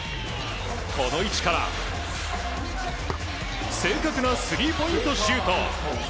この位置から正確なスリーポイントシュート。